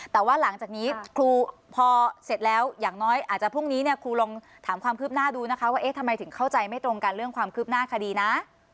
แต่ว่าหลังจากนี้ครูพอเสร็จแล้วอย่างน้อยอาจจะพรุ่งนี้เนี่ยครูลองถามความคืบหน้าดูนะคะว่าเอ๊ะทำไมถึงเข้าใจไม่ตรงกันเรื่องความคืบหน้าคดีนะ